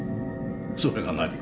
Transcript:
それが何か？